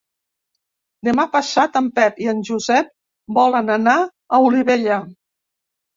Demà passat en Pep i en Josep volen anar a Olivella.